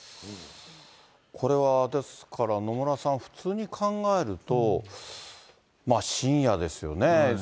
これは、ですから、野村さん、普通に考えると、深夜ですよね。